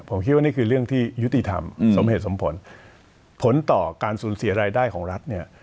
ผมคิดว่านี่คือเรื่องที่ยุติธรรมสมเหตุสมผลผลต่อการสูญเสียรายได้ของรัฐเนี่ย